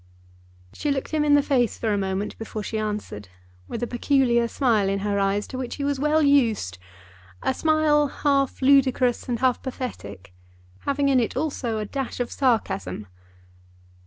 She looked him in the face for a moment before she answered, with a peculiar smile in her eyes to which he was well used, a smile half ludicrous and half pathetic, having in it also a dash of sarcasm.